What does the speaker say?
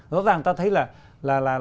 rõ ràng ta thấy là